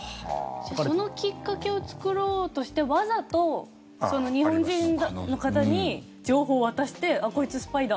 そのきっかけを作ろうとしてわざと日本人の方に情報を渡してこいつ、スパイだ！